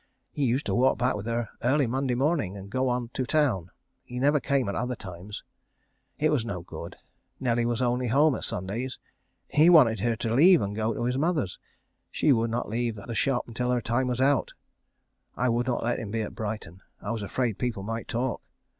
He used to walk back with her early Monday morning, and go on to town. He never came at other times. It was no good. Nelly was only at home Sundays. He wanted her to leave and go to his mother's. She would not leave the shop till her time was out. I would not let him be at Brighton. I was afraid people might talk.